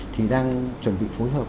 thì đang chuẩn bị phối hợp